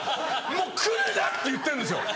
もう来るな！って言ってるんですよ。